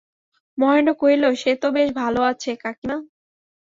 মহেন্দ্র কহিল, সে তো বেশ ভালো আছে কাকীমা।